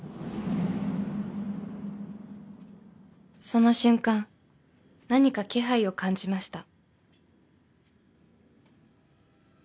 ［その瞬間何か気配を感じました］